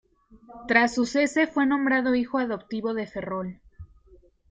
Tras su cese fue nombrado hijo adoptivo de Ferrol.